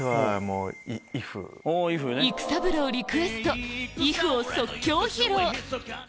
育三郎リクエスト『ｉｆ．．．』を即興披露